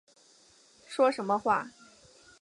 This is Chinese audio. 说什么话